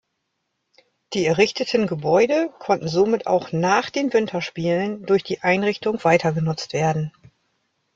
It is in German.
Die errichteten Gebäude konnten somit auch nach den Winterspielen durch die Einrichtung weitergenutzt werden.